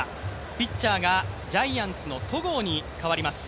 ピッチャーがジャイアンツの戸郷に代わります。